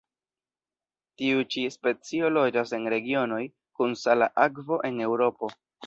Tiu ĉi specio loĝas en regionoj kun sala akvo en Eŭropo.